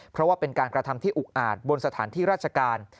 เพราะว่าเป็นการกระทำที่อุกอาจบนสถานที่ราชการ